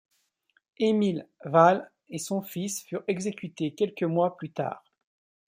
Emil Hvaal et son fils furent exécutés quelques mois plus tard.